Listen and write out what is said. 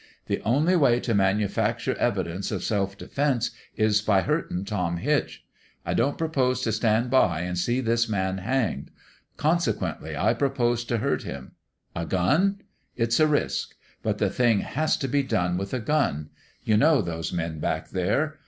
The only way to manufacture evidence of self defense is by hurt ing Tom Hitch. I don't propose to stand by and see this man hanged. Consequently I pro pose to hurt him. A gun ? It's a risk. But the thing has to be done with a gun. ... You know those men back there.